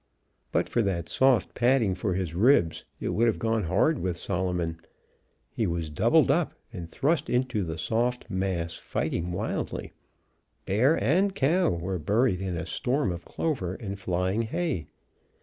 But for that soft padding for his ribs, it would have gone hard with Solomon. He was doubled up and thrust into the soft mass, fighting wildly. Bear and cow were buried in a storm of clover and flying hay.